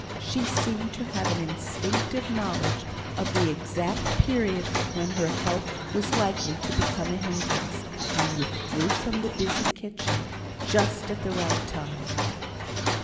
She seemed to have an instinctive knowledge of the exact period when her help was likely to become a hindrance, and withdrew from the busy kitchen just at the right time.